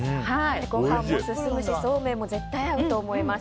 ご飯も進むしそうめんも絶対合うと思います。